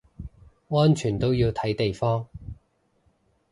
安全都要睇地方